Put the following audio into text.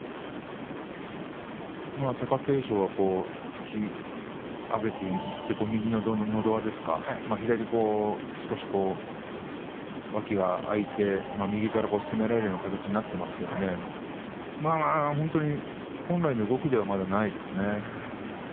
貴景勝は突き上げていって右ののど輪左の脇が少し空いて右から攻められるような形になっていますがまあ本来の動きではまだないですね。